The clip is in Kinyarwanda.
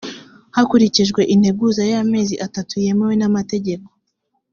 hakurikijwe integuza y’amezi atatu yemewe n’amategeko